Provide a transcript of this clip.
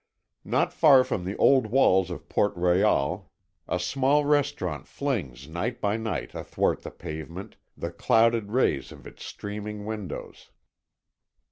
Not far from the old walls of Port Royal, a small restaurant flings night by night athwart the pavement the clouded rays of its streaming windows.